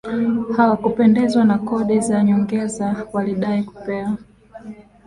hawakupendezwa na kodi za nyongeza walidai kupewa